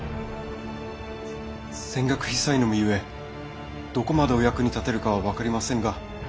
せ浅学非才の身ゆえどこまでお役に立てるかは分かりませぬが！